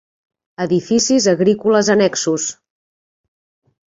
Edificis agrícoles annexos.